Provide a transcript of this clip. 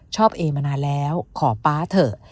เอมานานแล้วขอป๊าเถอะ